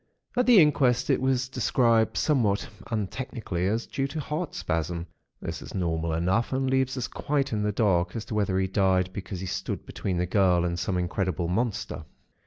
At the inquest it was described somewhat untechnically as due to heart spasm. That is normal enough, and leaves us quite in the dark as to whether he died because he stood between the girl and some incredible monster.